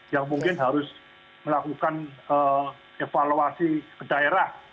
yang mungkin harus melakukan evaluasi ke daerah